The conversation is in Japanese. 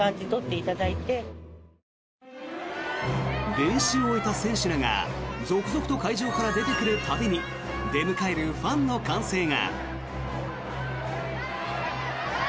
練習を終えた選手らが続々と会場から出てくる度に出迎えるファンの歓声が。